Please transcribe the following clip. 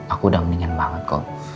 aku udah mendingan banget kok